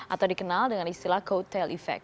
atau dikenal dengan istilah coattail effect